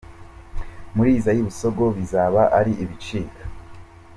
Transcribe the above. Muri Isae Busogo bizaba ari ibicika.